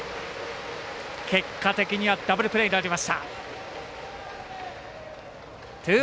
結果的にはダブルプレーになりました。